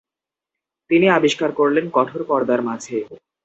তিনি আবিষ্কার করলেন কঠোর পর্দার মাঝে।